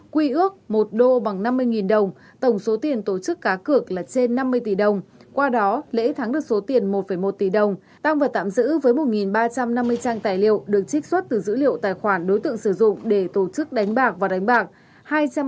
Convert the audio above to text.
quy ước một đô bằng năm mươi đồng tổng số tiền tổ chức cá cược là trên năm mươi tỷ đồng qua đó lễ thắng được số tiền một một tỷ đồng tăng vật tạm giữ với một ba trăm năm mươi trang tài liệu được trích xuất từ dữ liệu tài khoản đối tượng sử dụng để tổ chức đánh bạc và đánh bạc